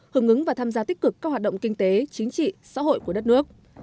hưởng ứng và tham gia tích cực các hoạt động kinh tế chính trị xã hội của đất nước